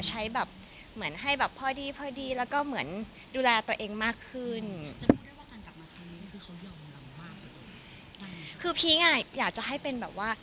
ใช้แบบเหมือนให้แบบพอดีพอดีแล้วก็เหมือนดูแลตัวเองมากขึ้น